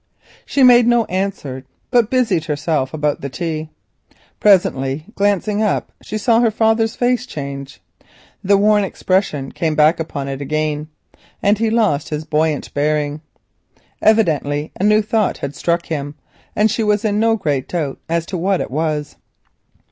She made no answer but busied herself about the tea. Presently, glancing up she saw her father's face change. The worn expression came back upon it and he lost his buoyant bearing. Evidently a new thought had struck him, and she was in no great doubt as to what it was.